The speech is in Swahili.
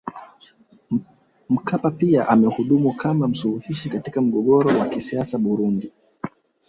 Mkapa pia amehudumu kama msuluhishi katika mgogoro wa kisiasa Burundi